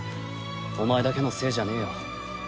お前だけのせいじゃねえよ。